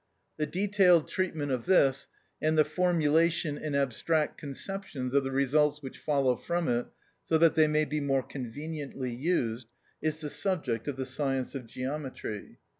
The detailed treatment of this, and the formulation in abstract conceptions of the results which flow from it, so that they may be more conveniently used, is the subject of the science of geometry.